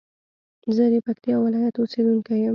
زه د پکتيا ولايت اوسېدونکى يم.